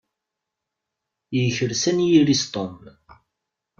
Yekres anyir-is Tom.